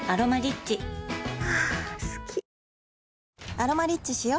「アロマリッチ」しよ